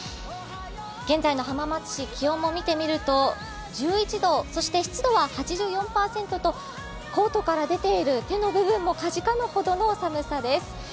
現在の浜松市、気温も見てみると１１度、そして湿度は８４％と、コートから出ている手の部分もかじかむほどの寒さです。